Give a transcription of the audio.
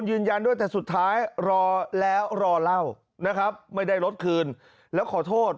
ยืนยันด้วยแต่สุดท้ายรอแล้วรอเล่านะครับไม่ได้รถคืนแล้วขอโทษ